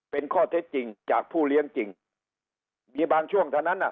เป็นข้อเท็จจริงจากผู้เลี้ยงจริงมีบางช่วงเท่านั้นอ่ะ